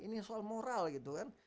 ini soal moral gitu kan